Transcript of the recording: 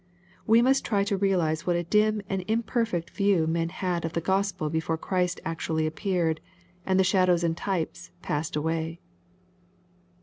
We must try to realize what a dim and im perfect view men had of the Gospel before Christ actu ally appeared, and the shadows and types passed away.